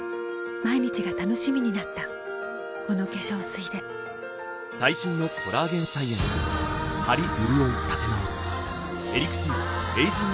毎日が楽しみになったこの化粧水で最新のコラーゲン・サイエンスハリ・うるおい立て直す